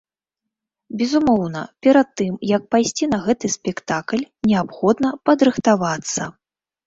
Безумоўна, перад тым, як пайсці на гэты спектакль, неабходна падрыхтавацца.